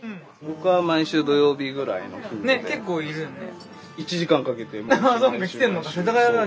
ねっ結構いるよね。